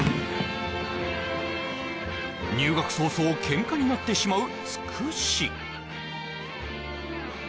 入学早々ケンカになってしまうつくし